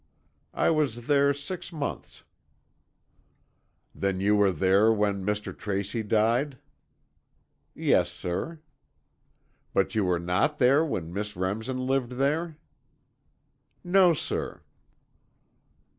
"I was there six months." "Then you were there when Mr. Tracy died?" "Yes, sir." "But you were not there when Miss Remsen lived there?" "No, sir."